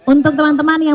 untuk teman teman yang